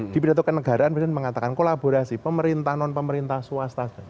di pidato kenegaraan presiden mengatakan kolaborasi pemerintah non pemerintah swasta